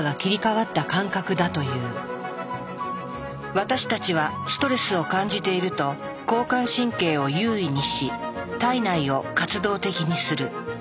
私たちはストレスを感じていると交感神経を優位にし体内を活動的にする。